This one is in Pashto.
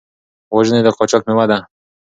وژنې د قاچاق مېوه ده.